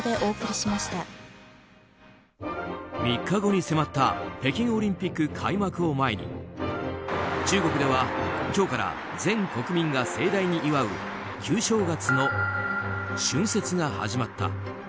３日後に迫った北京オリンピック開幕を前に中国では今日から全国民が盛大に祝う旧正月の春節が始まった。